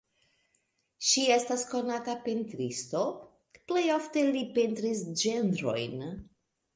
Ŝi estis konata pentristo, plej ofte li pentris ĝenrojn.